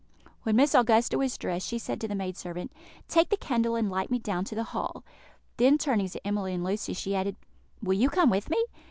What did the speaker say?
] When Miss Augusta was dressed, she said to the maid servant, "Take the candle and light me down to the hall." Then, turning to Emily and Lucy, she added, "Will you come with me?